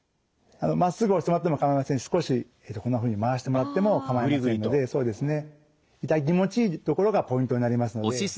まっすぐ押してもらっても構いませんし少しこんなふうに回してもらっても構いませんので痛気持ちいい所がポイントになりますので。